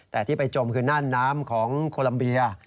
แต่ที่ไปจมคือน่านน้ำของโคลัมเบีย